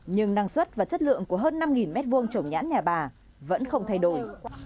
nhưng năng suất và chất lượng của hơn năm m hai trồng nhãn nhà bà vẫn không thay đổi